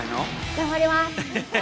頑張ります。